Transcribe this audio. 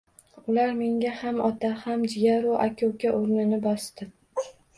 Ular menga ham ota ham jigar-u aka-uka oʻrnini bosdi